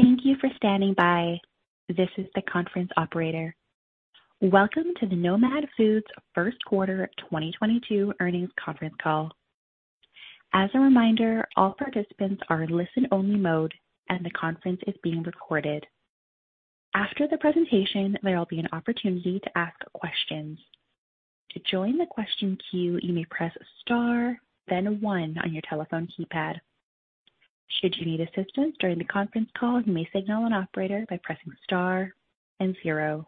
Thank you for standing by. This is the conference operator. Welcome to the Nomad Foods Q12022 Earnings Conference Call. As a reminder, all participants are in listen-only mode, and the conference is being recorded. After the presentation, there will be an opportunity to ask questions. To join the question queue, you may press star then one on your telephone keypad. Should you need assistance during the conference call, you may signal an operator by pressing star and zero.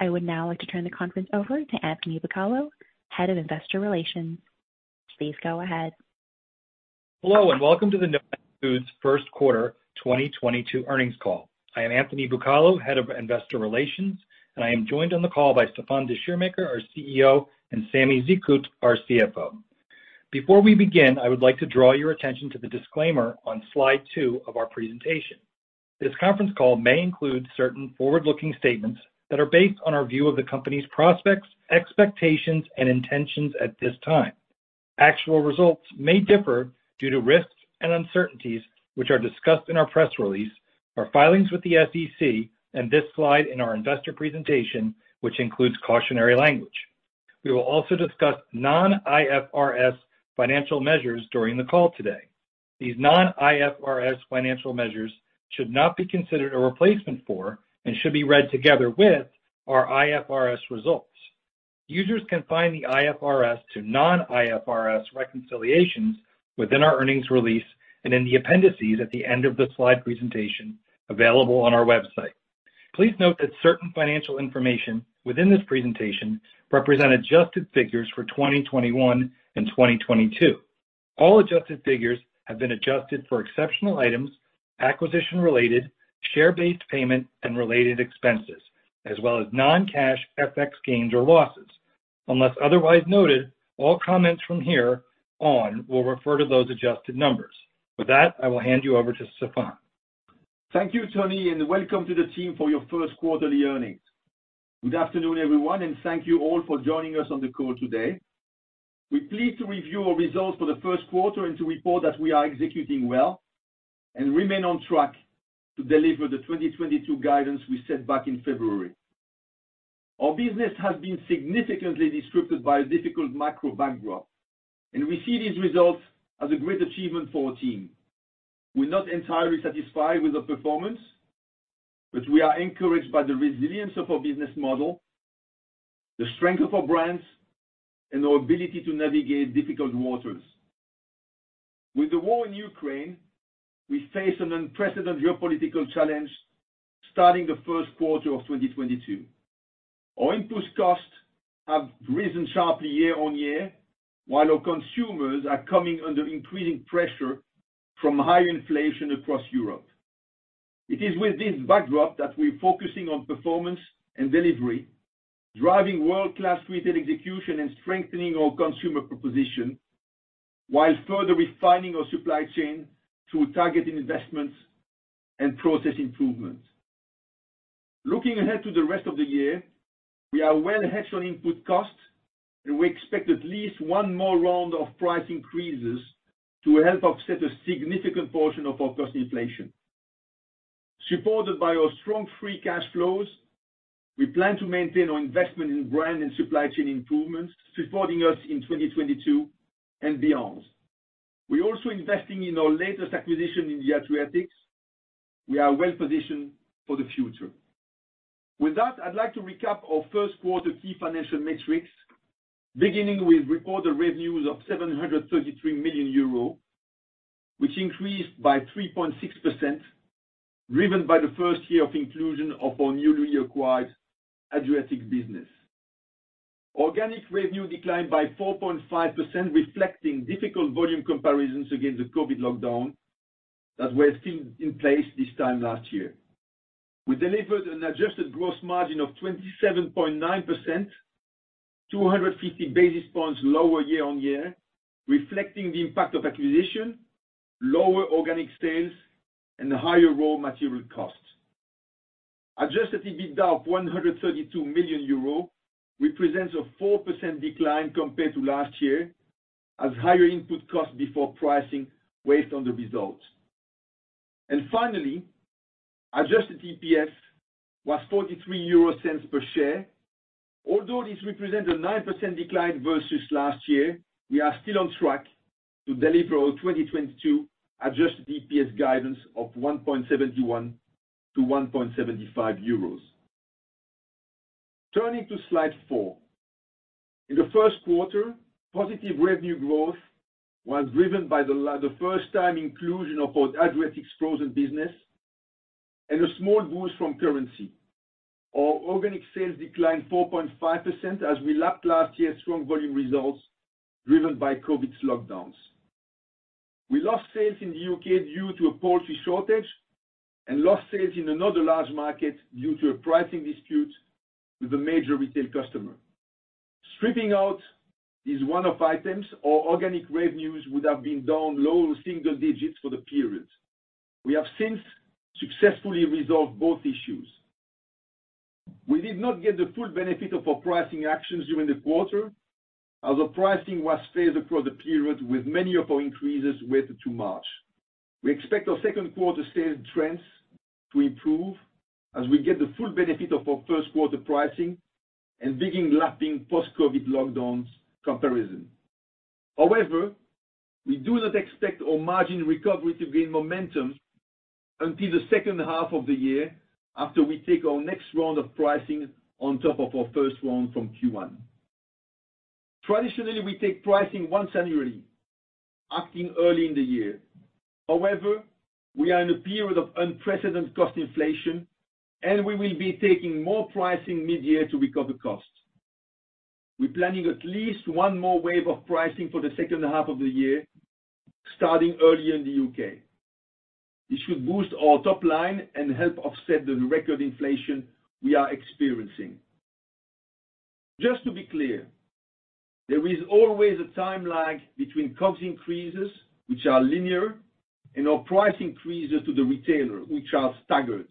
I would now like to turn the conference over to Anthony Bucalo, Head of Investor Relations. Please go ahead. Hello, and welcome to the Nomad Foods First Quarter 2022 earnings call. I am Anthony Bucalo, Head of Investor Relations, and I am joined on the call by Stéfan Descheemaeker, our CEO, and Samy Zekhout, our CFO. Before we begin, I would like to draw your attention to the disclaimer on slide 2 of our presentation. This conference call may include certain forward-looking statements that are based on our view of the company's prospects, expectations, and intentions at this time. Actual results may differ due to risks and uncertainties which are discussed in our press release, our filings with the SEC, and this slide in our investor presentation, which includes cautionary language. We will also discuss non-IFRS financial measures during the call today. These non-IFRS financial measures should not be considered a replacement for and should be read together with our IFRS results. Users can find the IFRS to non-IFRS reconciliations within our earnings release and in the appendices at the end of the slide presentation available on our website. Please note that certain financial information within this presentation represent adjusted figures for 2021 and 2022. All adjusted figures have been adjusted for exceptional items, acquisition-related, share-based payment, and related expenses, as well as non-cash FX gains or losses. Unless otherwise noted, all comments from here on will refer to those adjusted numbers. With that, I will hand you over to Stéfan. Thank you, Anthony, and welcome to the team for your first quarterly earnings. Good afternoon, everyone, and thank you all for joining us on the call today. We're pleased to review our results for the Q1 and to report that we are executing well and remain on track to deliver the 2022 guidance we set back in February. Our business has been significantly disrupted by a difficult macro backdrop, and we see these results as a great achievement for our team. We're not entirely satisfied with the performance, but we are encouraged by the resilience of our business model, the strength of our brands, and our ability to navigate difficult waters. With the war in Ukraine, we face an unprecedented geopolitical challenge starting the first quarter of 2022. Our input costs have risen sharply year-over-year, while our consumers are coming under increasing pressure from higher inflation across Europe. It is with this backdrop that we're focusing on performance and delivery, driving world-class retail execution, and strengthening our consumer proposition, while further refining our supply chain through targeted investments and process improvements. Looking ahead to the rest of the year, we are well hedged on input costs, and we expect at least one more round of price increases to help offset a significant portion of our cost inflation. Supported by our strong free cash flows, we plan to maintain our investment in brand and supply chain improvements, supporting us in 2022 and beyond. We're also investing in our latest acquisition in the Adriatic. We are well positioned for the future. With that, I'd like to recap our Q1 key financial metrics, beginning with reported revenues of 733 million euros, which increased by 3.6%, driven by the first year of inclusion of our newly acquired Adriatic business. Organic revenue declined by 4.5%, reflecting difficult volume comparisons against the COVID lockdown that were still in place this time last year. We delivered an adjusted gross margin of 27.9%, 250 basis points lower year-over-year, reflecting the impact of acquisition, lower organic sales, and higher raw material costs. Adjusted EBITDA of 132 million euro represents a 4% decline compared to last year as higher input costs before pricing weighed on the results. Finally, adjusted EPS was 0.43 per share. Although this represents a 9% decline versus last year, we are still on track to deliver our 2022 adjusted EPS guidance of 1.71-1.75 euros. Turning to slide 4. In the Q1, positive revenue growth was driven by the first time inclusion of our Adriatic frozen business and a small boost from currency. Our organic sales declined 4.5% as we lapped last year's strong volume results driven by COVID's lockdowns. We lost sales in the U.K. due to a poultry shortage and lost sales in another large market due to a pricing dispute with a major retail customer. Stripping out these one-off items, our organic revenues would have been down low single digits for the period. We have since successfully resolved both issues. We did not get the full benefit of our pricing actions during the quarter as our pricing was phased across the period with many of our increases weighted to March. We expect our Q2 sales trends to improve as we get the full benefit of our first quarter pricing and begin lapping post-COVID lockdowns comparison. However, we do not expect our margin recovery to gain momentum until the 2H of the year after we take our next round of pricing on top of our first round from Q1. Traditionally, we take pricing once annually, acting early in the year. However, we are in a period of unprecedented cost inflation, and we will be taking more pricing mid-year to recover costs. We're planning at least one more wave of pricing for the second half of the year, starting earlier in the UK. This should boost our top line and help offset the record inflation we are experiencing. Just to be clear, there is always a time lag between cost increases, which are linear, and our price increases to the retailer, which are staggered.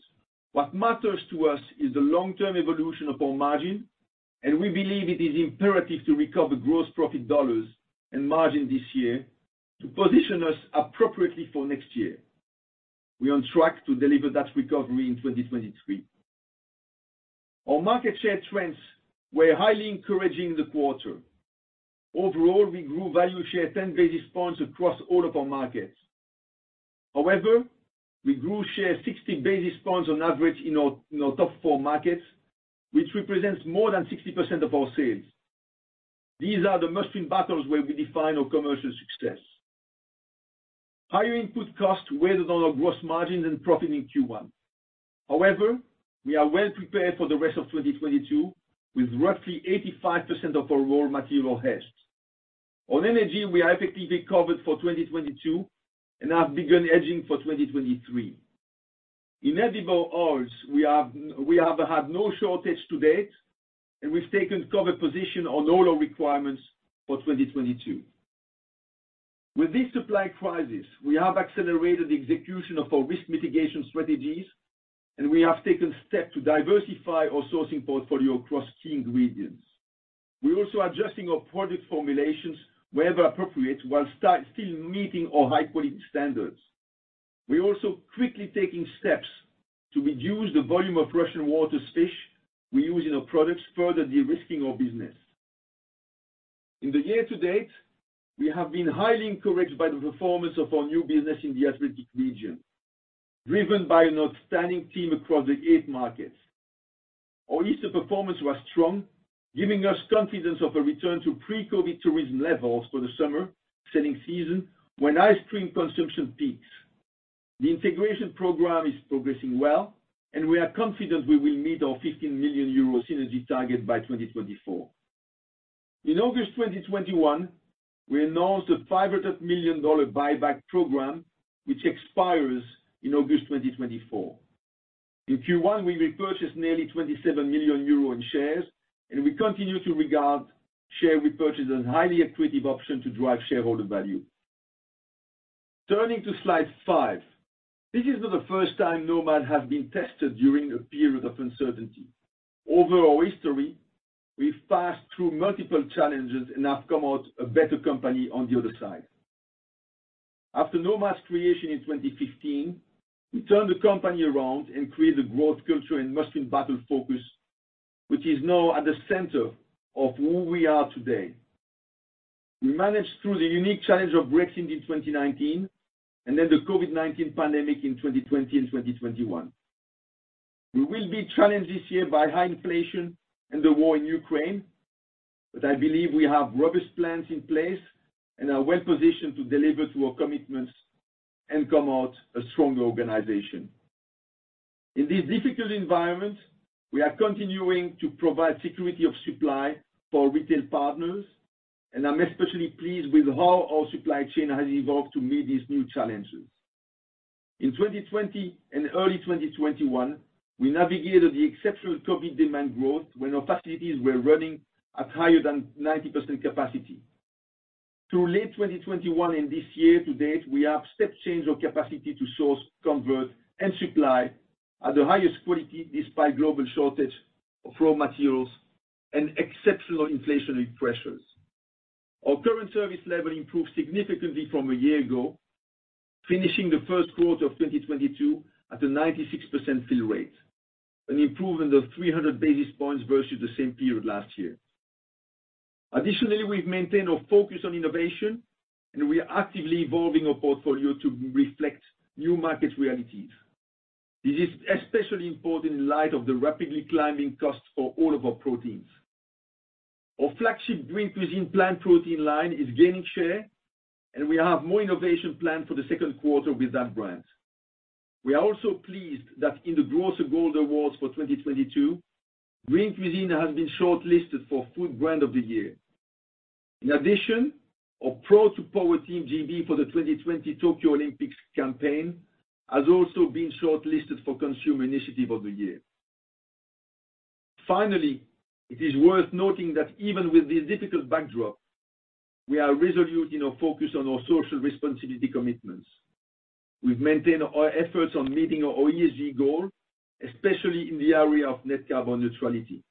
What matters to us is the long-term evolution of our margin, and we believe it is imperative to recover gross profit dollars and margin this year to position us appropriately for next year. We are on track to deliver that recovery in 2023. Our market share trends were highly encouraging in the quarter. Overall, we grew value share 10 basis points across all of our markets. However, we grew share 60 basis points on average in our top four markets, which represents more than 60% of our sales. These are the must-win battles where we define our commercial success. Higher input costs weighed on our gross margins and profit in Q1. However, we are well prepared for the rest of 2022 with roughly 85% of our raw material hedged. On energy, we are effectively covered for 2022 and have begun hedging for 2023. In edible oils, we have had no shortage to date, and we've taken cover position on all our requirements for 2022. With this supply crisis, we have accelerated the execution of our risk mitigation strategies, and we have taken steps to diversify our sourcing portfolio across key ingredients. We're also adjusting our product formulations wherever appropriate while still meeting our high-quality standards. We're also quickly taking steps to reduce the volume of Russian waters fish we use in our products, further de-risking our business. In the year to date, we have been highly encouraged by the performance of our new business in the Adriatic region, driven by an outstanding team across the eight markets. Our Easter performance was strong, giving us confidence of a return to pre-COVID tourism levels for the summer selling season when ice cream consumption peaks. The integration program is progressing well, and we are confident we will meet our 15 million euro synergy target by 2024. In August 2021, we announced a $500 million buyback program, which expires in August 2024. In Q1, we repurchased nearly 27 million euro in shares, and we continue to regard share repurchase as a highly accretive option to drive shareholder value. Turning to slide five. This is not the first time Nomad has been tested during a period of uncertainty. Over our history, we've passed through multiple challenges and have come out a better company on the other side. After Nomad's creation in 2015, we turned the company around and created a growth culture and must-win battle focus, which is now at the center of who we are today. We managed through the unique challenge of Brexit in 2019, and then the COVID-19 pandemic in 2020 and 2021. We will be challenged this year by high inflation and the war in Ukraine, but I believe we have robust plans in place and are well positioned to deliver to our commitments and come out a stronger organization. In this difficult environment, we are continuing to provide security of supply for our retail partners, and I'm especially pleased with how our supply chain has evolved to meet these new challenges. In 2020 and early 2021, we navigated the exceptional COVID demand growth when our facilities were running at higher than 90% capacity. Through late 2021 and this year to date, we have step-changed our capacity to source, convert, and supply at the highest quality despite global shortage of raw materials and exceptional inflationary pressures. Our current service level improved significantly from a year ago, finishing the Q1 of 2022 at a 96% fill rate, an improvement of 300 basis points versus the same period last year. Additionally, we've maintained our focus on innovation, and we are actively evolving our portfolio to reflect new market realities. This is especially important in light of the rapidly climbing costs for all of our proteins. Our flagship Green Cuisine plant protein line is gaining share, and we have more innovation planned for the second quarter with that brand. We are also pleased that in the Grocer Gold Awards for 2022, Green Cuisine has been shortlisted for Food Brand of the Year. In addition, our Proud to Power Team GB for the 2020 Tokyo Olympics campaign has also been shortlisted for Consumer Initiative of the Year. Finally, it is worth noting that even with this difficult backdrop. We are resolute in our focus on our social responsibility commitments. We've maintained our efforts on meeting our ESG goal, especially in the area of net carbon neutrality.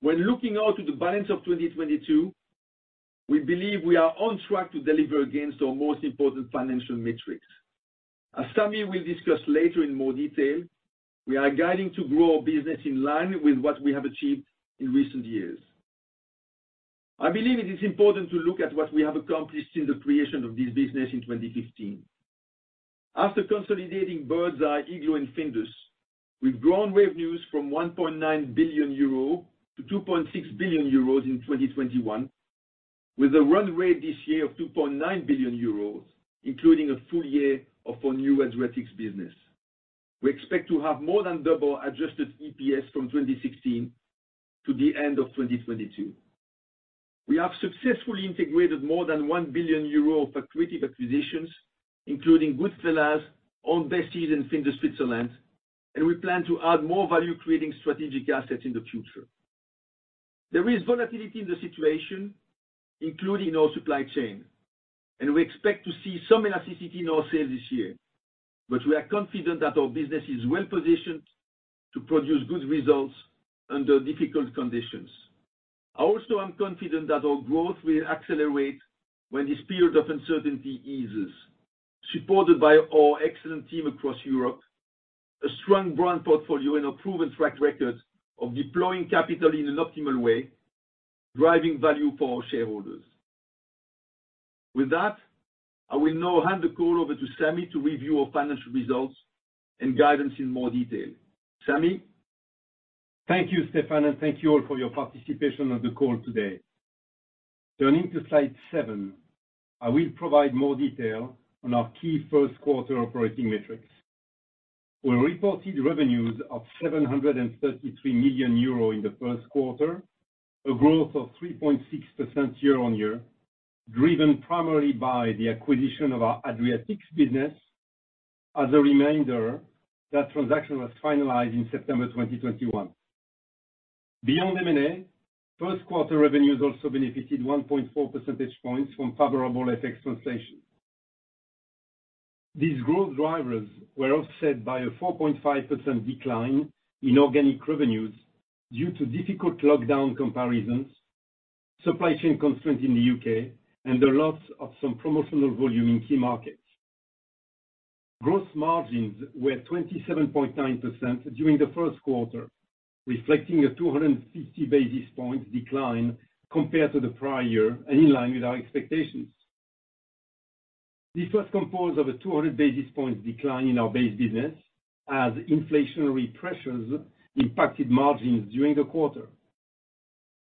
When looking out to the balance of 2022, we believe we are on track to deliver against our most important financial metrics. As Samy will discuss later in more detail, we are guiding to grow our business in line with what we have achieved in recent years. I believe it is important to look at what we have accomplished in the creation of this business in 2015. After consolidating Birds Eye, Iglo, and Findus, we've grown revenues from 1.9 billion euro to 2.6 billion euros in 2021, with a run rate this year of 2.9 billion euros, including a full year of our new Adriatic business. We expect to have more than double adjusted EPS from 2016 to the end of 2022. We have successfully integrated more than 1 billion euro of accretive acquisitions, including Goodfella's, Aunt Bessie's, and Findus Switzerland, and we plan to add more value creating strategic assets in the future. There is volatility in the situation, including our supply chain, and we expect to see some elasticity in our sales this year. We are confident that our business is well-positioned to produce good results under difficult conditions. I also am confident that our growth will accelerate when this period of uncertainty eases, supported by our excellent team across Europe, a strong brand portfolio, and a proven track record of deploying capital in an optimal way, driving value for our shareholders. With that, I will now hand the call over to Samy to review our financial results and guidance in more detail. Samy? Thank you, Stéfan, and thank you all for your participation on the call today. Turning to slide seven, I will provide more detail on our key Q1 operating metrics. We reported revenues of 733 million euro in the Q1, a growth of 3.6% year-on-year, driven primarily by the acquisition of our Adriatic business. As a reminder, that transaction was finalized in September 2021. Beyond M&A, Q1 revenues also benefited 1.4 percentage points from favorable FX translation. These growth drivers were offset by a 4.5% decline in organic revenues due to difficult lockdown comparisons, supply chain constraints in the UK, and the loss of some promotional volume in key markets. Gross margins were 27.9% during the Q1, reflecting a 250 basis points decline compared to the prior year and in line with our expectations. This was composed of a 200 basis points decline in our base business as inflationary pressures impacted margins during the quarter.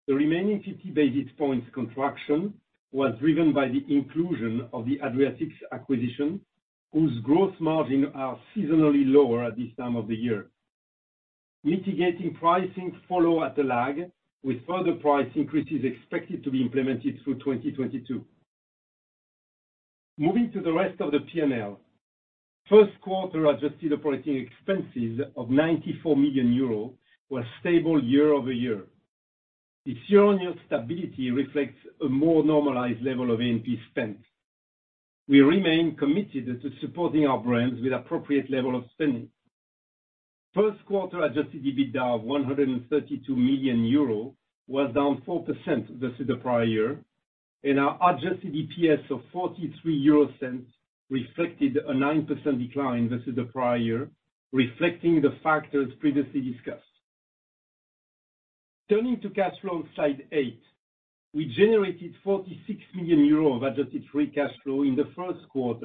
The remaining 50 basis points contraction was driven by the inclusion of the Adriatic acquisition, whose gross margins are seasonally lower at this time of the year. Mix mitigating, pricing follows at a lag, with further price increases expected to be implemented through 2022. Moving to the rest of the P&L.Q1 adjusted operating expenses of 94 million euros were stable year-over-year. This year-over-year stability reflects a more normalized level of A&P spend. We remain committed to supporting our brands with appropriate level of spending. Q1 adjusted EBITDA of 132 million euro was down 4% versus the prior year, and our adjusted EPS of 0.43 reflected a 9% decline versus the prior year, reflecting the factors previously discussed. Turning to cash flow on slide eight. We generated 46 million euros of adjusted free cash flow in the Q1,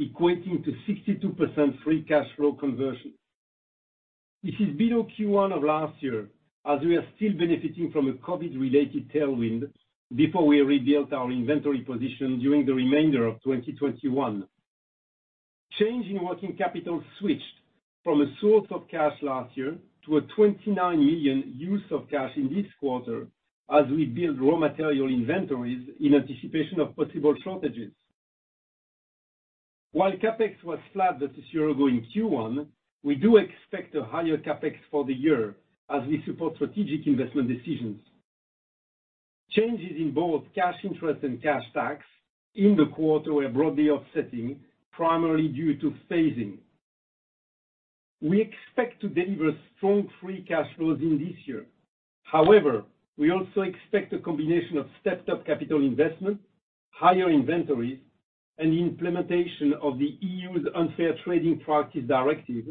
equating to 62% free cash flow conversion. This is below Q1 of last year, as we are still benefiting from a COVID-related tailwind before we rebuilt our inventory position during the remainder of 2021. Change in working capital switched from a source of cash last year to a 29 million use of cash in this quarter as we build raw material inventories in anticipation of possible shortages. While CapEx was flat versus a year ago in Q1, we do expect a higher CapEx for the year as we support strategic investment decisions. Changes in both cash interest and cash tax in the quarter were broadly offsetting, primarily due to phasing. We expect to deliver strong free cash flows in this year. However, we also expect a combination of stepped up capital investment, higher inventories, and the implementation of the EU's Unfair Trading Practices Directive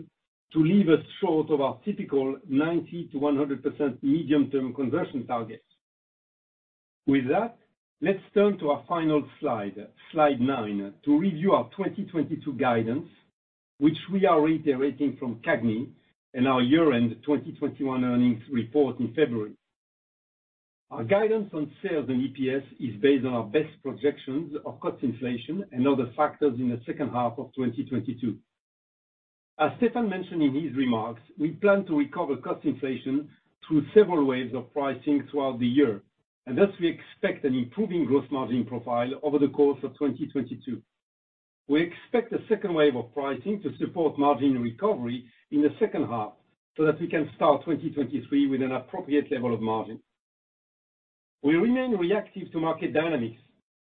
to leave us short of our typical 90%-100% medium-term conversion targets. With that, let's turn to our final slide nine, to review our 2022 guidance, which we are reiterating from CAGNY in our year-end 2021 earnings report in February. Our guidance on sales and EPS is based on our best projections of cost inflation and other factors in the 2H of 2022. As Stéfan mentioned in his remarks, we plan to recover cost inflation through several waves of pricing throughout the year, and thus we expect an improving gross margin profile over the course of 2022. We expect the second wave of pricing to support margin recovery in the second half so that we can start 2023 with an appropriate level of margin. We remain reactive to market dynamics.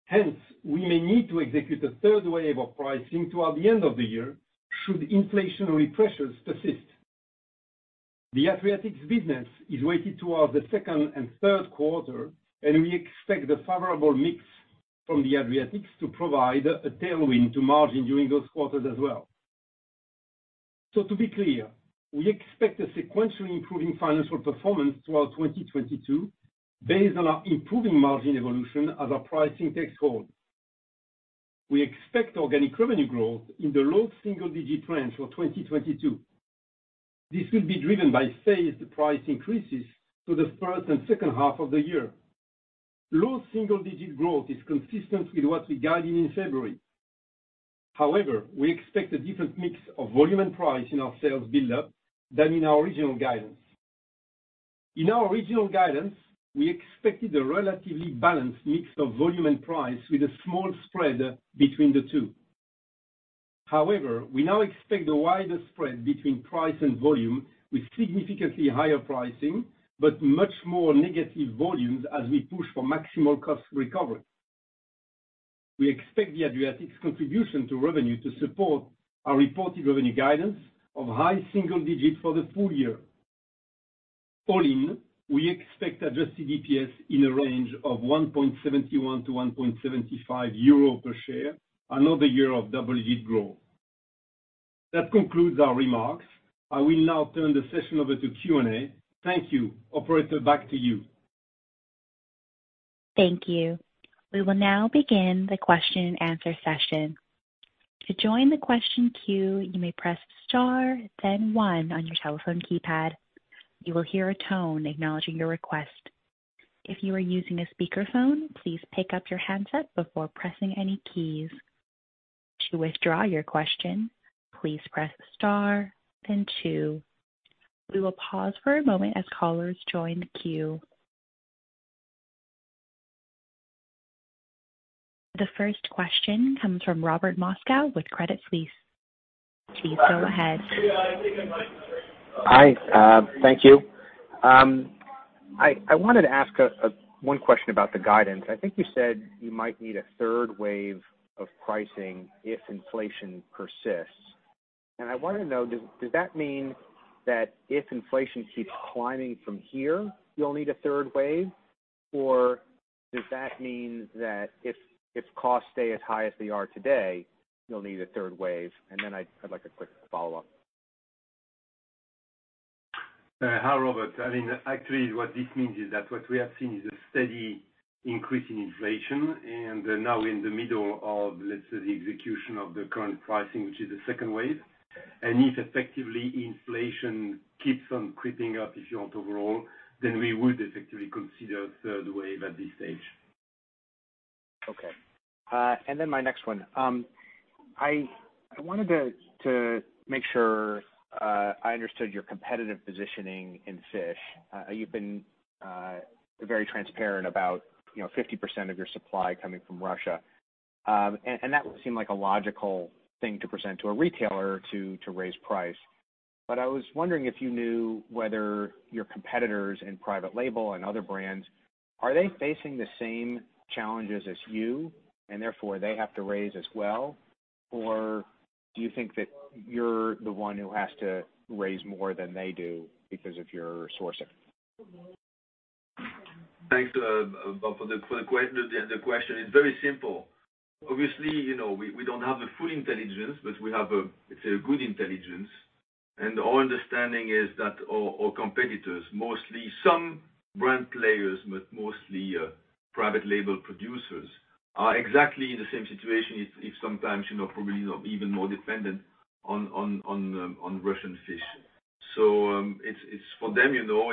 Hence, we may need to execute a third wave of pricing toward the end of the year should inflationary pressures persist. The Adriatic business is weighted towards the Q2 and Q3, and we expect the favorable mix from the Adriatic to provide a tailwind to margin during those quarters as well. To be clear, we expect a sequentially improving financial performance throughout 2022 based on our improving margin evolution as our pricing takes hold. We expect organic revenue growth in the low single-digit range for 2022. This will be driven by phased price increases to the 1H and 2H of the year. Low single-digit growth is consistent with what we guided in February. However, we expect a different mix of volume and price in our sales build-up than in our original guidance. In our original guidance, we expected a relatively balanced mix of volume and price with a small spread between the two. However, we now expect a wider spread between price and volume with significantly higher pricing but much more negative volumes as we push for maximal cost recovery. We expect the Adriatic's contribution to revenue to support our reported revenue guidance of high single digits for the full year. All in, we expect adjusted EPS in a range of 1.71-1.75 euro per share, another year of double-digit growth. That concludes our remarks. I will now turn the session over to Q&A. Thank you. Operator, back to you. Thank you. We will now begin the question-and-answer session. To join the question queue, you may press star then one on your telephone keypad. You will hear a tone acknowledging your request. If you are using a speakerphone, please pick up your handset before pressing any keys. To withdraw your question, please press star then two. We will pause for a moment as callers join the queue. The first question comes from Robert Moskow with Credit Suisse. Please go ahead. Hi. Thank you. I wanted to ask one question about the guidance. I think you said you might need a third wave of pricing if inflation persists. I want to know, does that mean that if inflation keeps climbing from here, you'll need a third wave? Does that mean that if costs stay as high as they are today, you'll need a third wave? I'd like a quick follow-up. Hi, Robert. I mean, actually, what this means is that what we have seen is a steady increase in inflation and now in the middle of, let's say, the execution of the current pricing, which is the second wave. If effectively inflation keeps on creeping up, if you want, overall, then we would effectively consider a third wave at this stage. Okay. My next one. I wanted to make sure I understood your competitive positioning in fish. You've been very transparent about, you know, 50% of your supply coming from Russia, and that would seem like a logical thing to present to a retailer to raise price. I was wondering if you knew whether your competitors in private label and other brands are facing the same challenges as you, and therefore they have to raise as well. Do you think that you're the one who has to raise more than they do because of your sourcing? Thanks, Rob, for the question. It's very simple. Obviously, you know, we don't have the full intelligence, but we have a good intelligence. Our understanding is that our competitors, mostly some brand players, but mostly private label producers, are exactly in the same situation as sometimes, you know, probably, you know, even more dependent on Russian fish. It's for them, you know,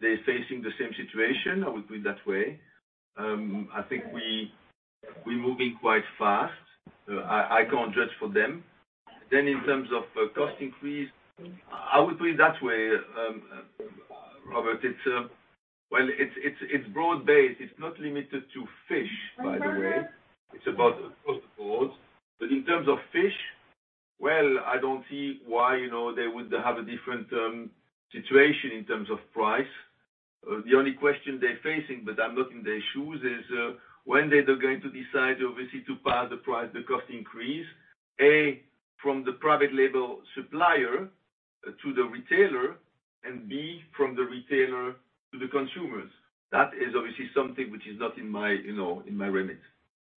they're facing the same situation, I would put it that way. I think we're moving quite fast. I can't judge for them. In terms of cost increase, I would put it that way, Robert. Well, it's broad-based. It's not limited to fish, by the way. It's across the board. In terms of fish, well, I don't see why, you know, they would have a different situation in terms of price. The only question they're facing, but I'm not in their shoes, is when they're going to decide, obviously, to pass the price, the cost increase, A, from the private label supplier to the retailer, and B, from the retailer to the consumers. That is obviously something which is not in my, you know, in my remit.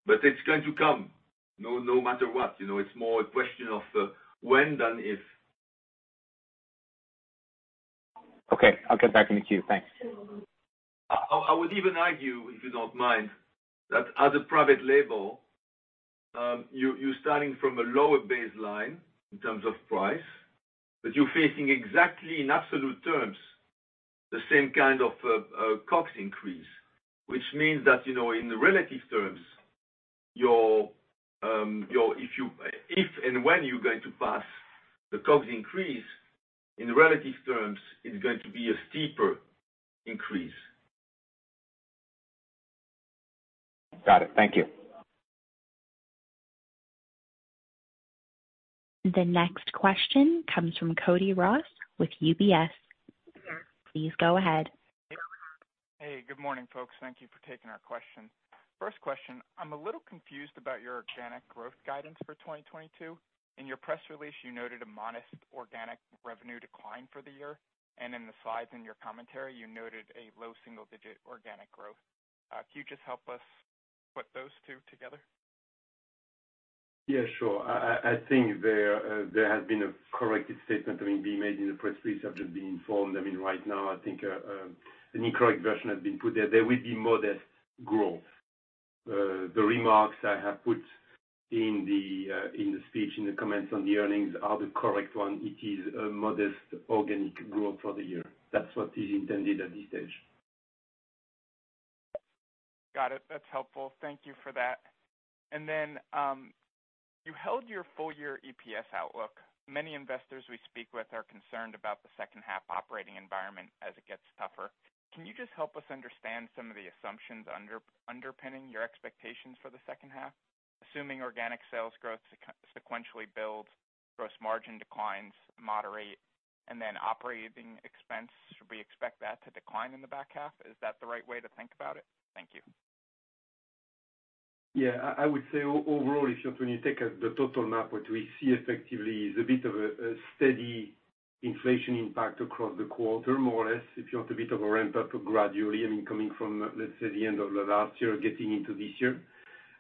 It's going to come, no matter what, you know? It's more a question of when than if. Okay. I'll get back in the queue. Thanks. I would even argue, if you don't mind, that as a private label, you're starting from a lower baseline in terms of price, but you're facing exactly in absolute terms the same kind of cost increase, which means that, you know, in the relative terms, if and when you're going to pass the cost increase, in relative terms, it's going to be a steeper, Increase. Got it. Thank you. The next question comes from Cody Ross with UBS. Please go ahead. Hey, good morning, folks. Thank you for taking our question. First question, I'm a little confused about your organic growth guidance for 2022. In your press release, you noted a modest organic revenue decline for the year, and in the slides in your commentary, you noted a low single-digit organic growth. Can you just help us put those two together? Yeah, sure. I think there has been a corrected statement being made in the press release. I've just been informed. I mean, right now, I think an incorrect version has been put there. There will be modest growth. The remarks I have put in the speech in the comments on the earnings are the correct one. It is a modest organic growth for the year. That's what is intended at this stage. Got it. That's helpful. Thank you for that. Then you held your full year EPS outlook. Many investors we speak with are concerned about the 2H operating environment as it gets tougher. Can you just help us understand some of the assumptions underpinning your expectations for the 2H? Assuming organic sales growth sequentially builds, gross margin declines moderate, and then operating expense, should we expect that to decline in the back half? Is that the right way to think about it? Thank you. Yeah, I would say overall, if you're to take the total map, what we see effectively is a bit of a steady inflation impact across the quarter, more or less. If you want a bit of a ramp up gradually, I mean, coming from, let's say, the end of the last year, getting into this year.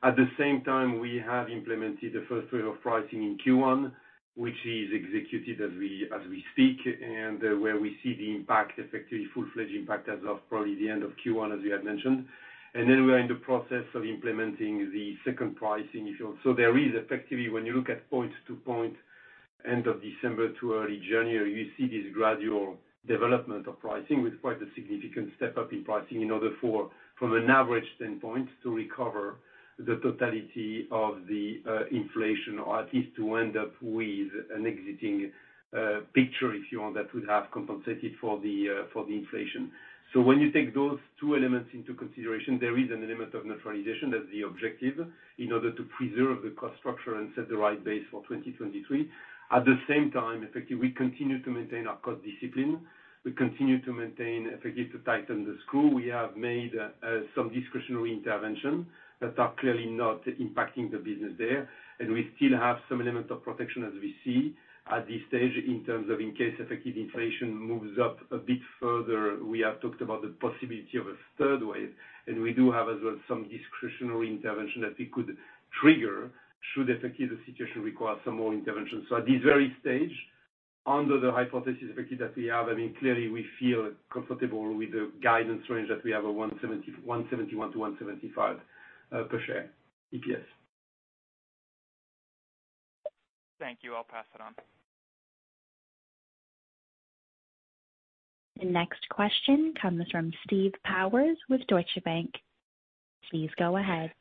At the same time, we have implemented the first wave of pricing in Q1, which is executed as we speak, and where we see the impact, effectively full-fledged impact as of probably the end of Q1, as you had mentioned. Then we are in the process of implementing the second pricing, if you. There is effectively, when you look at point to point, end of December to early January, you see this gradual development of pricing with quite a significant step up in pricing in order for, from an average standpoint, to recover the totality of the inflation, or at least to end up with an exit picture, if you want, that would have compensated for the inflation. When you take those two elements into consideration, there is an element of neutralization. That's the objective in order to preserve the cost structure and set the right base for 2023. At the same time, effectively, we continue to maintain our cost discipline. We continue to maintain, effectively to tighten the screw. We have made some discretionary intervention that are clearly not impacting the business there. We still have some element of protection as we see at this stage in terms of in case effective inflation moves up a bit further. We have talked about the possibility of a third wave, and we do have as well some discretionary intervention that we could trigger should effectively the situation require some more intervention. At this very stage, under the hypothesis effectively that we have, I mean, clearly we feel comfortable with the guidance range that we have of 1.70-1.71 to 1.75 per share EPS. Thank you. I'll pass it on. The next question comes from Stephen Powers with Deutsche Bank. Please go ahead.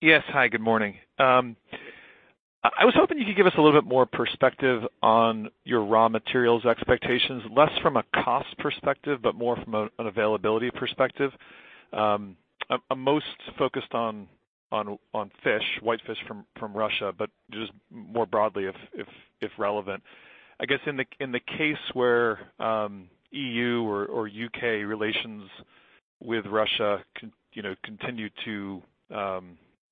Yes. Hi, good morning. I was hoping you could give us a little bit more perspective on your raw materials expectations, less from a cost perspective, but more from an availability perspective. I'm most focused on fish, whitefish from Russia, but just more broadly if relevant. I guess in the case where EU or UK relations with Russia continue to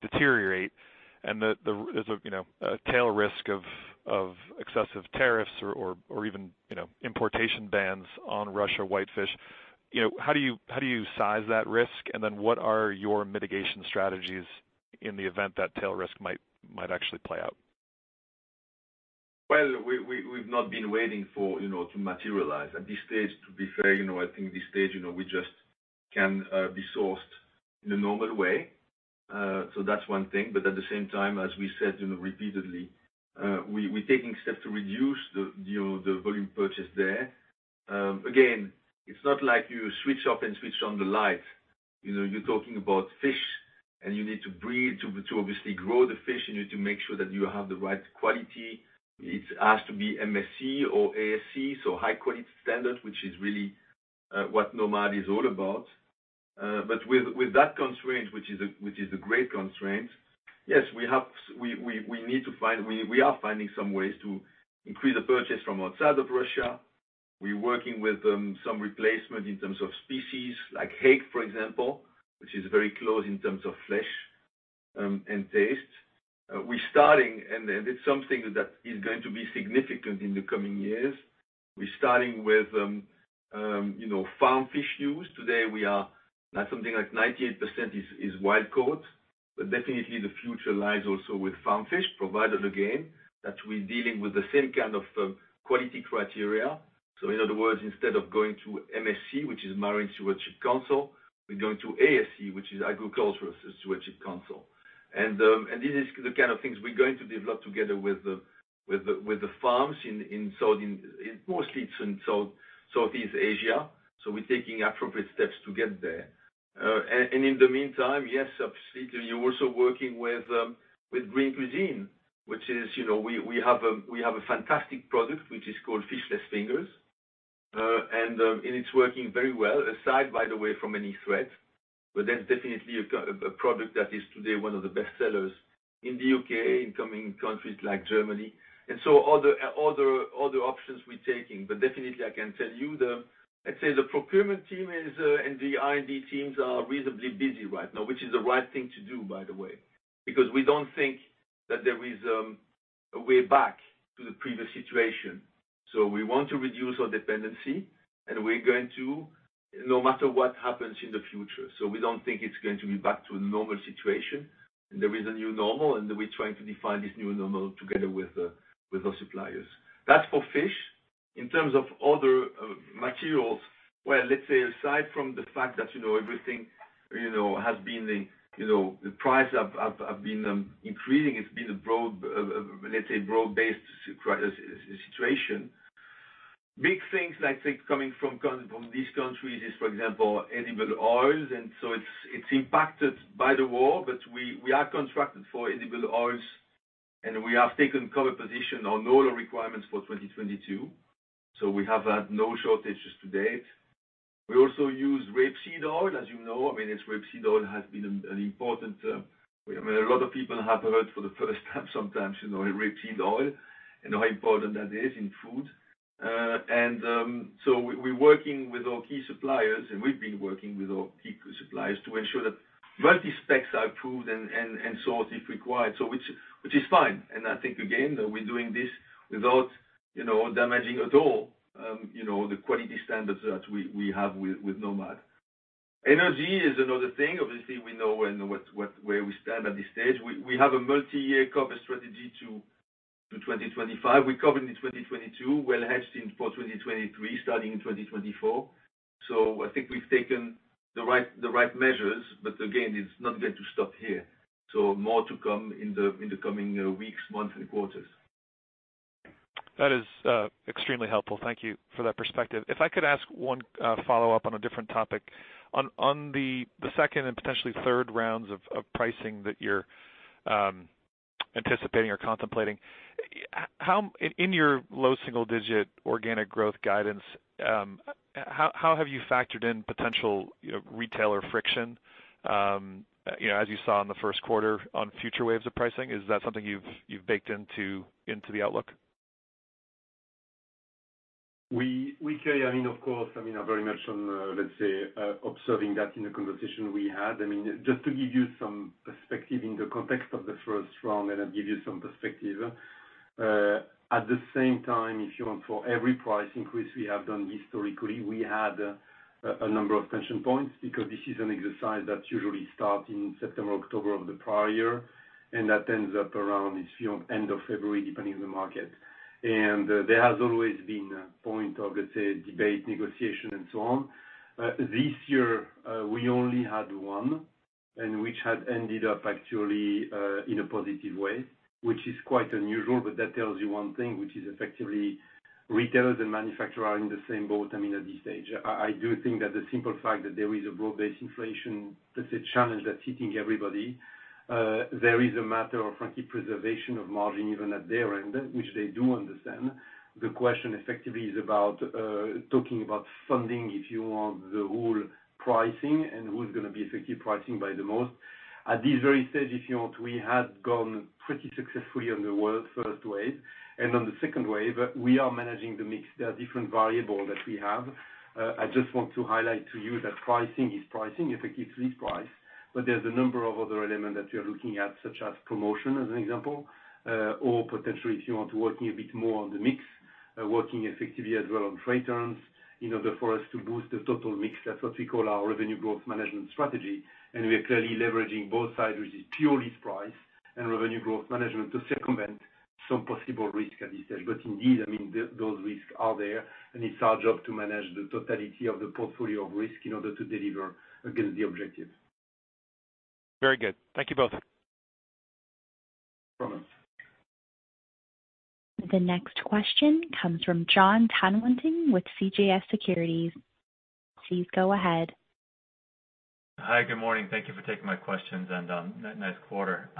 deteriorate and there's a tail risk of excessive tariffs or even importation bans on Russia whitefish, how do you size that risk? Then what are your mitigation strategies in the event that tail risk might actually play out? Well, we've not been waiting for, you know, to materialize. At this stage, to be fair, you know, I think we just can be sourced in a normal way. That's one thing. At the same time, as we said, you know, repeatedly, we're taking steps to reduce the volume purchase there. Again, it's not like you switch off and switch on the light. You know, you're talking about fish, and you need to breed to obviously grow the fish. You need to make sure that you have the right quality. It has to be MSC or ASC, so high quality standard, which is really what Nomad is all about. With that constraint, which is a great constraint, yes, we have. We are finding some ways to increase the purchase from outside of Russia. We're working with some replacement in terms of species like hake, for example, which is very close in terms of flesh and taste. We're starting, and it's something that is going to be significant in the coming years. We're starting with you know, farmed fish use. Today we are. That's something like 98% is wild caught. But definitely the future lies also with farmed fish, provided again, that we're dealing with the same kind of quality criteria. So in other words, instead of going to MSC, which is Marine Stewardship Council, we're going to ASC, which is Aquaculture Stewardship Council. This is the kind of things we're going to develop together with the farms in Southern. Mostly it's in South and Southeast Asia, so we're taking appropriate steps to get there. In the meantime, yes, absolutely. You're also working with Green Cuisine, which is, you know, we have a fantastic product which is called Fishless Fingers. It's working very well, aside from any threat, by the way. That's definitely a product that is today one of the best sellers in the UK and in countries like Germany. Other options we're taking. Definitely I can tell you. I'd say the procurement team is, and the R&D teams are reasonably busy right now, which is the right thing to do, by the way. Because we don't think that there is a way back to the previous situation. We want to reduce our dependency, and we're going to, no matter what happens in the future. We don't think it's going to be back to a normal situation. There is a new normal, and we're trying to define this new normal together with our suppliers. That's for fish. In terms of other materials, well, let's say aside from the fact that, you know, everything, you know, has been the, you know, the prices have been increasing, it's been a broad, let's say broad-based situation. Big things that I think coming from these countries is, for example, edible oils. It's impacted by the war, but we are contracted for edible oils, and we have taken cover position on all our requirements for 2022. We have had no shortages to date. We also use rapeseed oil, as you know. I mean, rapeseed oil has been an important. I mean, a lot of people have heard for the first time sometimes, you know, rapeseed oil and how important that is in food. We're working with our key suppliers to ensure that multi specs are approved and sorted if required. Which is fine. I think again, that we're doing this without, you know, damaging at all, you know, the quality standards that we have with Nomad. Energy is another thing. Obviously, we know where we stand at this stage. We have a multi-year cover strategy to 2025. We're covered in 2022, well hedged in for 2023, starting in 2024. I think we've taken the right measures. Again, it's not going to stop here. More to come in the coming weeks, months, and quarters. That is extremely helpful. Thank you for that perspective. If I could ask one follow-up on a different topic. On the second and potentially third rounds of pricing that you're anticipating or contemplating. In your low single digit organic growth guidance, how have you factored in potential, you know, retailer friction, you know, as you saw in the Q1 on future waves of pricing? Is that something you've baked into the outlook? We say, I mean, of course, I mean, are very much on, let's say, observing that in the conversation we had. I mean, just to give you some perspective in the context of the first round, and I'll give you some perspective. At the same time, if you want, for every price increase we have done historically, we had a number of tension points because this is an exercise that usually start in September, October of the prior year, and that ends up around, you know, end of February, depending on the market. There has always been a point of, let's say, debate, negotiation, and so on. This year, we only had one, which had ended up actually in a positive way, which is quite unusual, but that tells you one thing, which is effectively retailers and manufacturers are in the same boat, I mean, at this stage. I do think that the simple fact that there is a broad-based inflation, that's a challenge that's hitting everybody. There is a matter of frankly preservation of margin even at their end, which they do understand. The question effectively is about talking about funding, if you want, the whole pricing and who's going to be effectively pricing by the most. At this very stage, if you want, we had gone pretty successfully on the world first wave. On the second wave, we are managing the mix. There are different variable that we have. I just want to highlight to you that pricing is pricing, effectively it's list price. There's a number of other element that we are looking at, such as promotion, as an example, or potentially if you want, working a bit more on the mix, working effectively as well on trade terms in order for us to boost the total mix. That's what we call our revenue growth management strategy. We are clearly leveraging both sides, which is purely price and revenue growth management to circumvent some possible risk at this stage. Indeed, I mean, those risks are there, and it's our job to manage the totality of the portfolio of risk in order to deliver against the objectives. Very good. Thank you both. No problem. The next question comes from Jonathan Tanwanteng with CJS Securities. Please go ahead. Hi, good morning. Thank you for taking my questions, and nice quarter.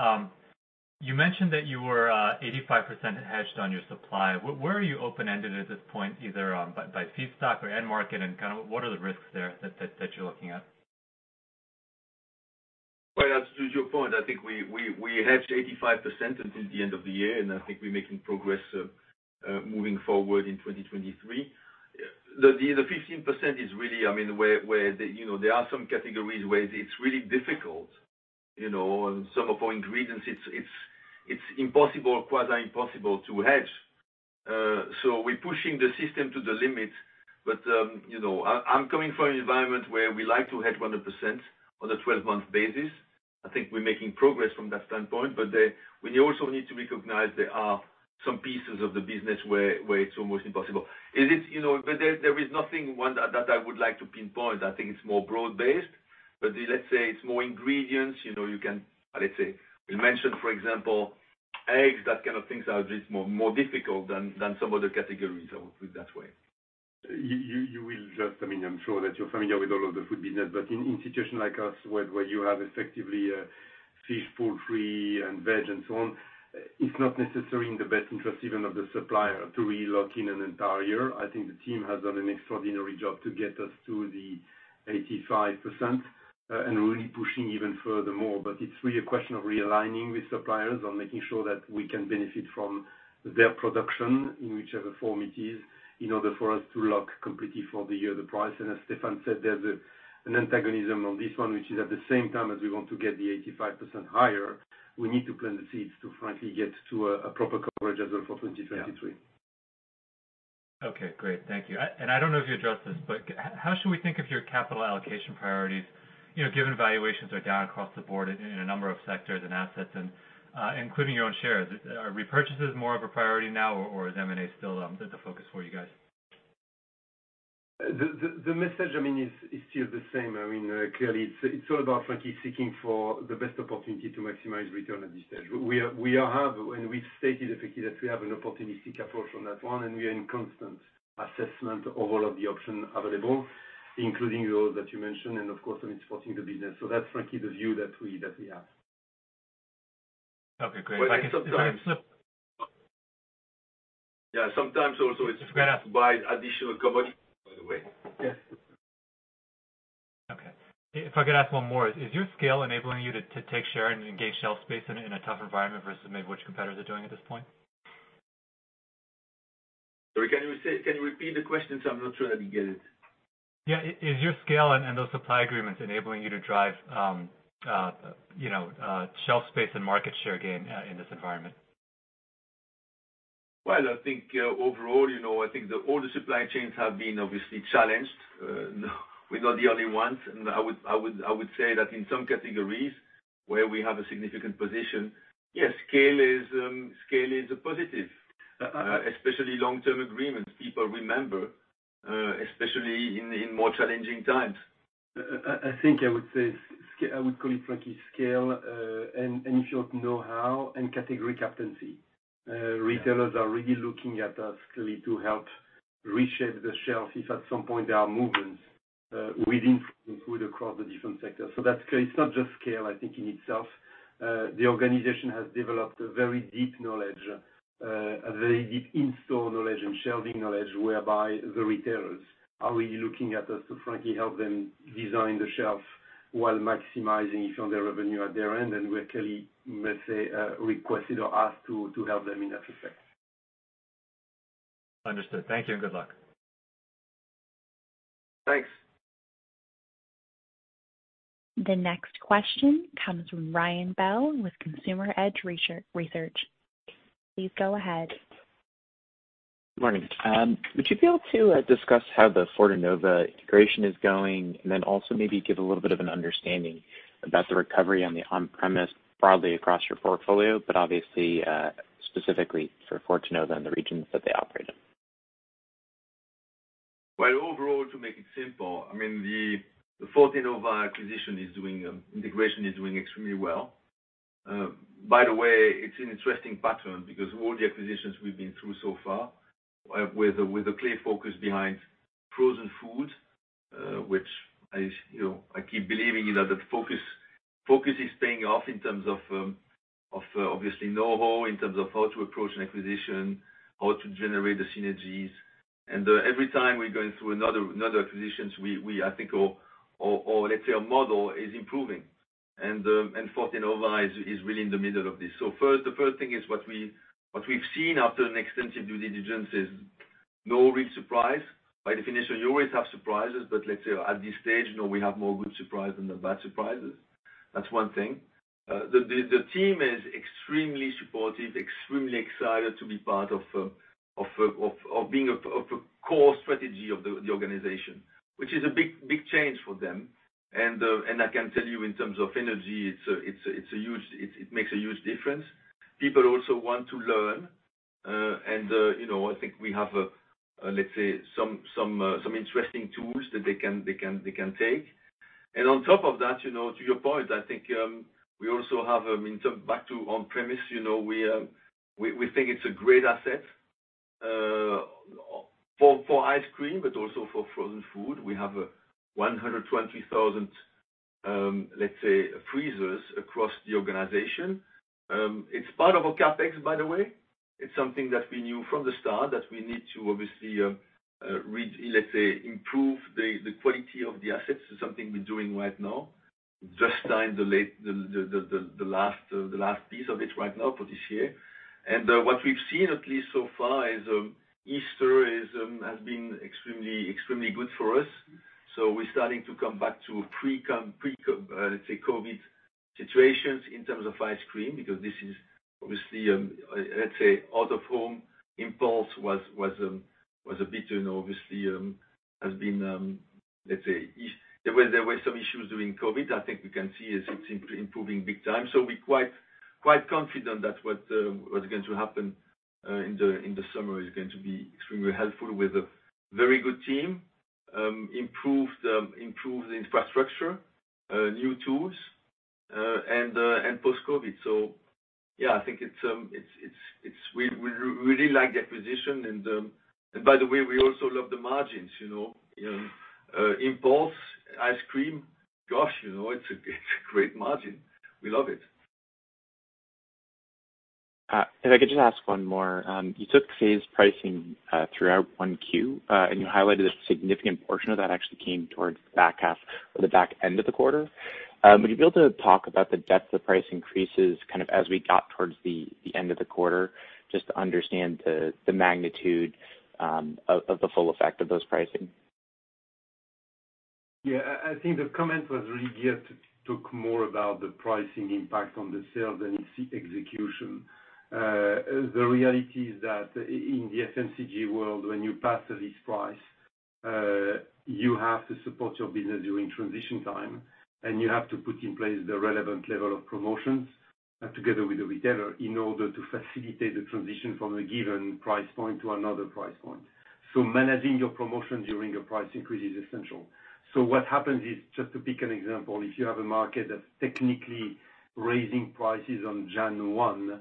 You mentioned that you were 85% hedged on your supply. Where are you open-ended at this point, either by feedstock or end market, and kind of what are the risks there that you're looking at? Well, to your point, I think we hedged 85% until the end of the year, and I think we're making progress moving forward in 2023. The 15% is really, I mean, where you know, there are some categories where it's really difficult. You know, on some of our ingredients, it's impossible, quasi impossible to hedge. We're pushing the system to the limit. You know, I'm coming from an environment where we like to hedge 100% on a twelve-month basis. I think we're making progress from that standpoint. We also need to recognize there are some pieces of the business where it's almost impossible. It is, you know. There is no one thing that I would like to pinpoint. I think it's more broad-based. Let's say it's more ingredients. You know, you can, let's say, we mentioned, for example, eggs, that kind of things are just more difficult than some other categories of food that way. You will just. I mean, I'm sure that you're familiar with all of the food business, but in situation like us, where you have effectively, fish, poultry and veg and so on, it's not necessarily in the best interest even of the supplier to really lock in an entire year. I think the team has done an extraordinary job to get us to the 85%, and really pushing even further more. It's really a question of realigning with suppliers on making sure that we can benefit from their production, in whichever form it is, in order for us to lock completely for the year, the price. As Stéfan said, there's an antagonism on this one, which is at the same time as we want to get the 85% higher, we need to plant the seeds to frankly get to a proper coverage as well for 2023. Yeah. Okay, great. Thank you. I don't know if you addressed this, but how should we think of your capital allocation priorities, you know, given valuations are down across the board in a number of sectors and assets and, including your own shares. Are repurchases more of a priority now, or is M&A still the focus for you guys? The message, I mean, is still the same. I mean, clearly it's all about frankly seeking for the best opportunity to maximize return at this stage. We've stated effectively that we have an opportunistic approach on that one, and we are in constant assessment of all of the options available, including those that you mentioned, and of course, I mean, supporting the business. That's frankly the view that we have. Okay, great. Sometimes. If I could- Yeah, sometimes also it's- Go ahead. to buy additional commodity, by the way. Yes. Okay. If I could ask one more. Is your scale enabling you to take share and engage shelf space in a tougher environment versus maybe what your competitors are doing at this point? Sorry, can you repeat the question? I'm not sure I did get it. Yeah. Is your scale and those supply agreements enabling you to drive, you know, shelf space and market share gain in this environment? Well, I think overall, you know, I think that all the supply chains have been obviously challenged. We're not the only ones. I would say that in some categories where we have a significant position, yes, scale is a positive. Uh-uh. Especially long-term agreements. People remember, especially in more challenging times. I think I would call it frankly scale, and know-how, and category captaincy. Yeah. Retailers are really looking at us clearly to help reshape the shelf if at some point there are movements within food, across the different sectors. It's not just scale, I think, in itself. The organization has developed a very deep knowledge, a very deep in-store knowledge and shelving knowledge, whereby the retailers are really looking at us to frankly help them design the shelf while maximizing impact on their revenue at their end, and we're clearly, let's say, requested or asked to help them in that respect. Understood. Thank you and good luck. Thanks. The next question comes from Ryan Bell with Consumer Edge Research. Please go ahead. Good morning. Would you be able to discuss how the Fortenova integration is going, and then also maybe give a little bit of an understanding about the recovery on-premise broadly across your portfolio, but obviously, specifically for Fortenova and the regions that they operate in? Well, overall, to make it simple, I mean, the Fortenova acquisition integration is doing extremely well. By the way, it's an interesting pattern because all the acquisitions we've been through so far with a clear focus behind frozen food, which is, you know, I keep believing in that the focus is paying off in terms of obviously know-how, in terms of how to approach an acquisition, how to generate the synergies. Every time we're going through another acquisition, we, I think or let's say our model is improving. Fortenova is really in the middle of this. First, the first thing is what we've seen after an extensive due diligence is no real surprise. By definition, you always have surprises, but let's say at this stage, you know, we have more good surprise than the bad surprises. That's one thing. The team is extremely supportive, extremely excited to be part of being a core strategy of the organization, which is a big change for them. I can tell you in terms of energy, it's a huge. It makes a huge difference. People also want to learn, and you know, I think we have, let's say some interesting tools that they can take. On top of that, you know, to your point, I think, we also have, I mean, in terms back to on-premise, you know, we think it's a great asset for ice cream, but also for frozen food. We have 120,000, let's say, freezers across the organization. It's part of our CapEx, by the way. It's something that we knew from the start that we need to obviously improve the quality of the assets. It's something we're doing right now. Just signed the lease, the last piece of it right now for this year. What we've seen at least so far is Easter has been extremely good for us. We're starting to come back to pre-COVID situations in terms of ice cream, because this is obviously, let's say out of home impulse was a bit, obviously, has been, let's say. There were some issues during COVID. I think we can see it's improving big time. We're quite confident that what's going to happen in the summer is going to be extremely helpful with a very good team. Improve the infrastructure, new tools, and post-COVID. Yeah, I think it's we really like the acquisition. By the way, we also love the margins, you know, impulse ice cream, gosh, you know, it's a great margin. We love it. If I could just ask one more. You took phased pricing throughout one Q, and you highlighted a significant portion of that actually came towards the back half or the back end of the quarter. Would you be able to talk about the depth of price increases kind of as we got towards the end of the quarter, just to understand the magnitude of the full effect of those pricing? Yeah. I think the comment was really here to talk more about the pricing impact on the sales than its execution. The reality is that in the FMCG world, when you pass this price, you have to support your business during transition time, and you have to put in place the relevant level of promotions together with the retailer in order to facilitate the transition from a given price point to another price point. Managing your promotion during a price increase is essential. What happens is, just to pick an example, if you have a market that's technically raising prices on January 1,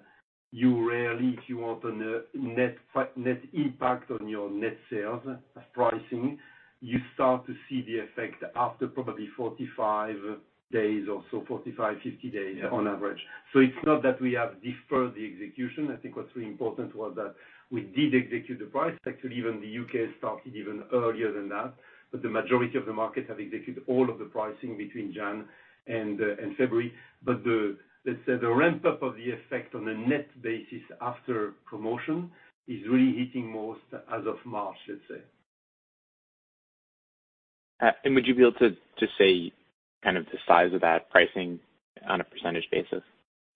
you rarely, if you want a net impact on your net sales pricing, you start to see the effect after probably 45 days or so, 45-50 days on average. It's not that we have deferred the execution. I think what's really important was that we did execute the price. Actually, even the UK started even earlier than that, but the majority of the markets have executed all of the pricing between January and February. The ramp-up of the effect on a net basis after promotion is really hitting most as of March, let's say. Would you be able to say kind of the size of that pricing on a percentage basis?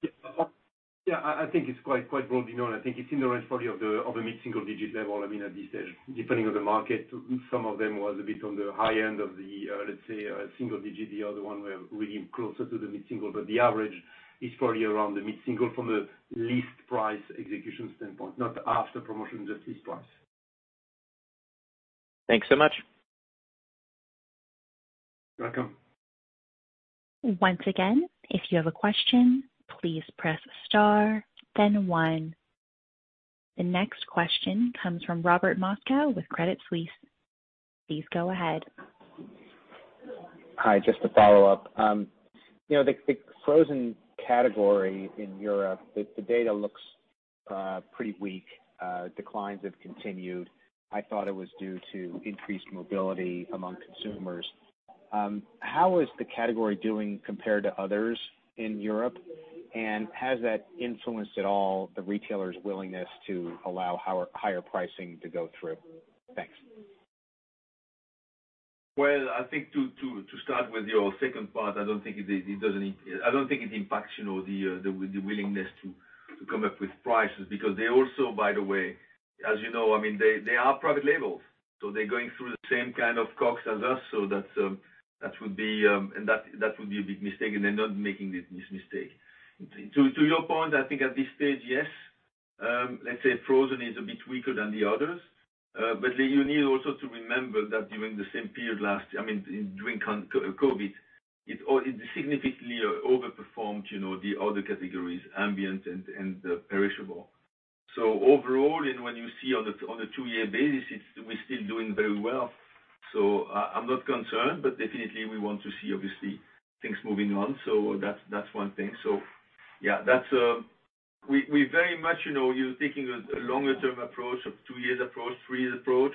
Yeah. I think it's quite broadly known. I think it's in the range probably of a mid-single digit level. I mean, at this stage, depending on the market, some of them was a bit on the high end of the, let's say a single digit. The other one we're really closer to the mid-single, but the average is probably around the mid-single from a list price execution standpoint, not after promotion, just list price. Thanks so much. Welcome. Once again, if you have a question, please press star then one. The next question comes from Robert Moskow with Credit Suisse. Please go ahead. Hi. Just to follow up, the frozen category in Europe, the data looks pretty weak. Declines have continued. I thought it was due to increased mobility among consumers. How is the category doing compared to others in Europe? Has that influenced at all the retailers' willingness to allow higher pricing to go through? Thanks. Well, I think to start with your second part, I don't think it impacts, you know, the willingness to come up with prices because they also, by the way, as you know, I mean, they are private labels, so they're going through the same kind of costs as us, so that would be a big mistake, and they're not making this mistake. To your point, I think at this stage, yes, let's say frozen is a bit weaker than the others, but you need also to remember that during the same period last year, I mean, during COVID-19, it significantly overperformed, you know, the other categories, ambient and perishable. Overall, when you see on a two-year basis, we're still doing very well. I'm not concerned, but definitely we want to see obviously things moving on. That's one thing. Yeah, that's. We very much, you know, you're taking a longer-term approach, a two years approach, three years approach.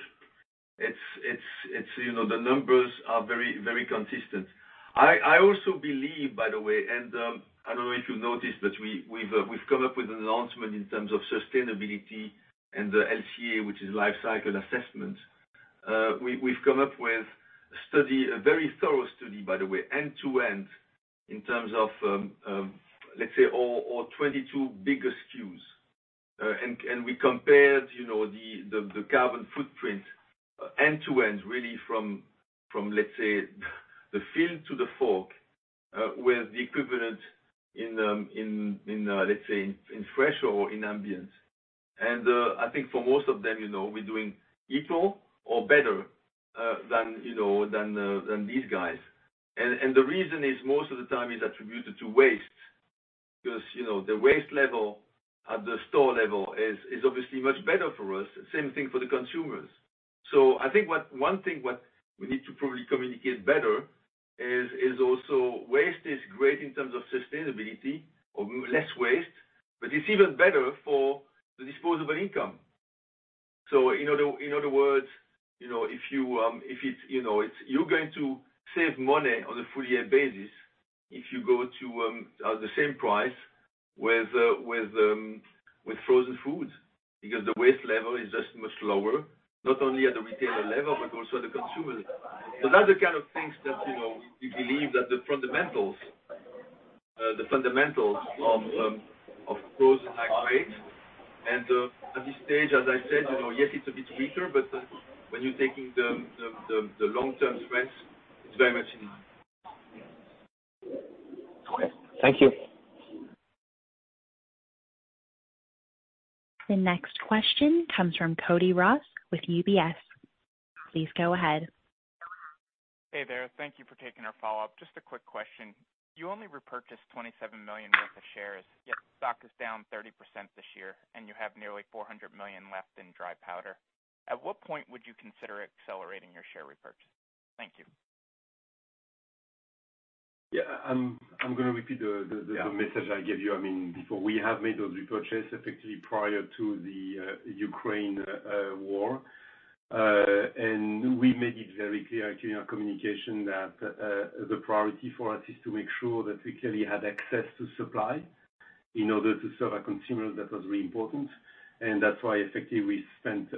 It's, you know, the numbers are very consistent. I also believe, by the way, I don't know if you noticed, but we've come up with an announcement in terms of sustainability and the LCA, which is life cycle assessment. We've come up with a study, a very thorough study, by the way, end-to-end in terms of, let's say all 22 bigger SKUs. We compared, you know, the carbon footprint end-to-end really from, let's say, the field to the fork, with the equivalent in, let's say, fresh or ambient. I think for most of them, you know, we're doing equal or better than these guys. The reason is most of the time it's attributed to waste because, you know, the waste level at the store level is obviously much better for us, same thing for the consumers. I think one thing we need to probably communicate better is also waste is great in terms of sustainability or less waste, but it's even better for the disposable income. In other words, you know, you're going to save money on a full year basis if you go to at the same price with frozen foods because the waste level is just much lower, not only at the retailer level but also the consumer. That's the kind of things that, you know, we believe that the fundamentals of frozen, like, great. At this stage, as I said, you know, yes, it's a bit weaker, but when you're taking the long-term strength, it's very much in line. Okay. Thank you. The next question comes from Cody Ross with UBS. Please go ahead. Hey there. Thank you for taking our follow-up. Just a quick question. You only repurchased 27 million worth of shares, yet stock is down 30% this year, and you have nearly 400 million left in dry powder. At what point would you consider accelerating your share repurchase? Thank you. I'm gonna repeat the message I gave you, I mean, before. We have made those repurchases effectively prior to the Ukraine war. We made it very clear in our communication that the priority for us is to make sure that we clearly had access to supply in order to serve our consumers. That was really important. That's why effectively we spent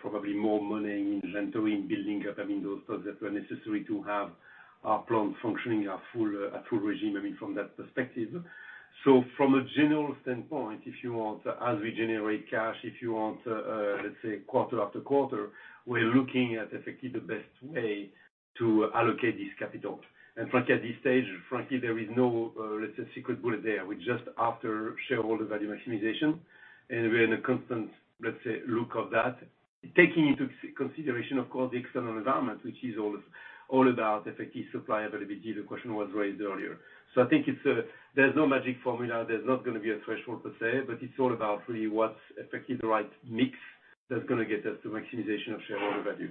probably more money in inventory, in building up, I mean, those products that were necessary to have our plant functioning at full regime, I mean, from that perspective. From a general standpoint, if you want, as we generate cash, if you want, let's say quarter after quarter, we're looking at effectively the best way to allocate this capital. Frankly, at this stage, frankly, there is no, let's say, silver bullet there. We're just after shareholder value maximization, and we're in a constant, let's say, lookout for that, taking into consideration, of course, the external environment, which is all about effective supply availability. The question was raised earlier. I think it's, there's no magic formula. There's not going to be a threshold per se, but it's all about really what's effectively the right mix that's gonna get us the maximization of shareholder value.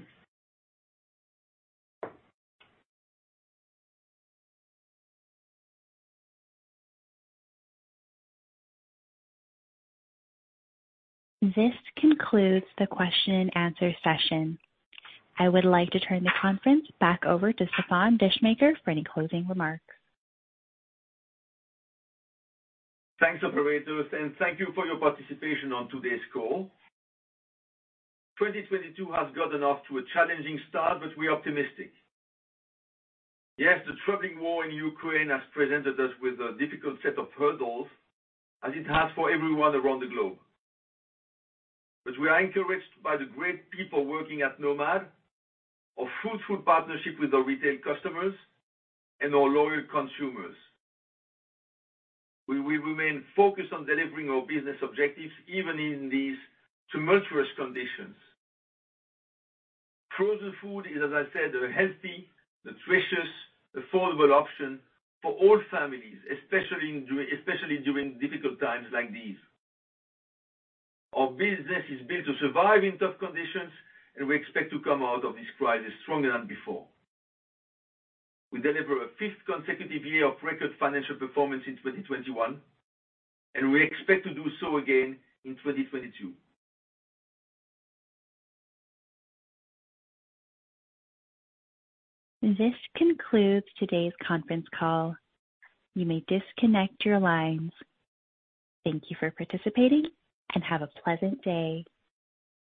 This concludes the question and answer session. I would like to turn the conference back over to Stéfan Descheemaeker for any closing remarks. Thanks, operator, and thank you for your participation on today's call. 2022 has gotten off to a challenging start, but we're optimistic. Yes, the troubling war in Ukraine has presented us with a difficult set of hurdles, as it has for everyone around the globe. We are encouraged by the great people working at Nomad, our fruitful partnership with our retail customers, and our loyal consumers. We will remain focused on delivering our business objectives, even in these tumultuous conditions. Frozen food is, as I said, a healthy, nutritious, affordable option for all families, especially during difficult times like these. Our business is built to survive in tough conditions, and we expect to come out of this crisis stronger than before. We delivered a fifth consecutive year of record financial performance in 2021, and we expect to do so again in 2022. This concludes today's conference call. You may disconnect your lines. Thank you for participating, and have a pleasant day.